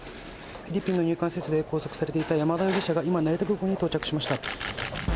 フィリピンの入管施設で拘束されていた山田容疑者が今、成田空港に到着しました。